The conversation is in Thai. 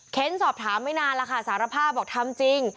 สอบถามไม่นานแล้วค่ะสารภาพบอกทำจริง